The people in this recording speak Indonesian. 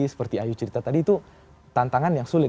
seperti ayu cerita tadi itu tantangan yang sulit